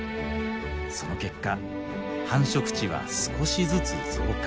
その結果繁殖地は少しずつ増加。